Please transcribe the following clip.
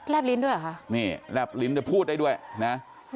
บลิ้นด้วยเหรอคะนี่แลบลิ้นแต่พูดได้ด้วยนะ